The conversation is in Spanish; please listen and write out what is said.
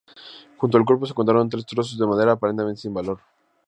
Junto al cuerpo se encontraron tres trozos de madera aparentemente sin valor.